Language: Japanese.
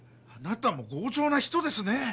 あなたも強情な人ですね！